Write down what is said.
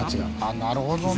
なるほどね！